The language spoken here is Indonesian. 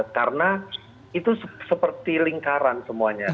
karena itu seperti lingkaran semuanya